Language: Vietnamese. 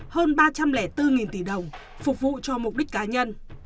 hơn ba trăm linh bốn tỷ đồng phục vụ cho mục đích cá nhân